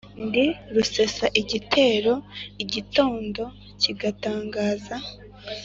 Ndi rusesa igitero igitondo kigatangaza